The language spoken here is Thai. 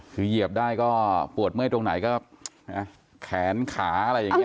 คือเหยียบได้ก็ปวดเมื่อยตรงไหนก็แขนขาอะไรอย่างนี้